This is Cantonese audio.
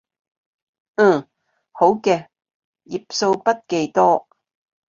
嗯，好嘅，頁數筆記多